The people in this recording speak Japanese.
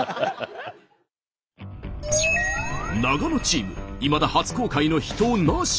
長野チームいまだ初公開の秘湯なし。